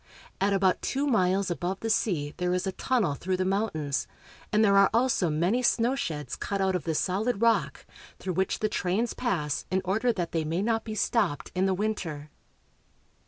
At about two miles above the sea there is a tunnel through the mountains, and there are also many snowsheds cut out of the solid rock, through which the trains pass in order that they may not be stopped in the winter.